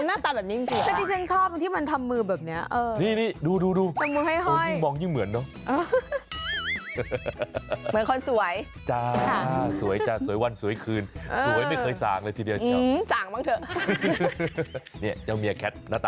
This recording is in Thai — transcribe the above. นั่นแหละเหมือนเมียแคทแหละ